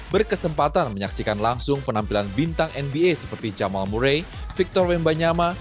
berkesempatan menyaksikan langsung penampilan bintang nba seperti jamal murai victor wembanyama